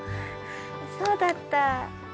そうだったぁ。